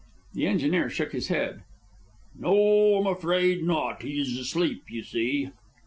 The engineer shook his head. "No, I'm afraid not. He's asleep, you see."